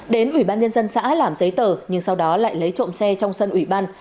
đến ủy ban nhân dân xã làm giấy tờ nhưng sau đó lại lấy trộm xe trong sân ủy ban